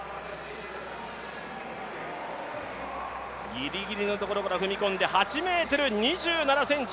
ギリギリのところから踏み込んで８ｍ２７ｃｍ。